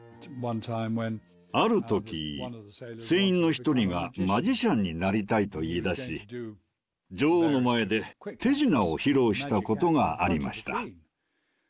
ある時船員の一人がマジシャンになりたいと言いだし女王の前で手品を披露したことがありました。